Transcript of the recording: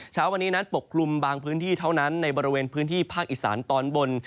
เช้าวันนี้นั้นปกคลุมบางพื้นที่เท่านั้นในบริเวณพื้นที่ภาคอีสานตอนบน